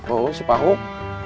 oh si pak huk